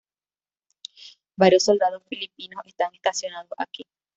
Varios soldados filipinos están estacionados aquí.